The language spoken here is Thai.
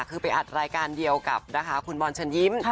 คือไปอัดรายการเดียวกับคุณบอนฉันยิ้ม